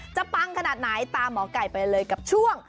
ปังขนาดไหนตามหมอไก่ไปเลยกับช่วง